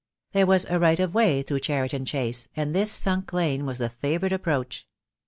There was a right of way through Cheriton Chase, and this sunk lane was the favourite ap proach.